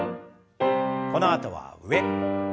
このあとは上。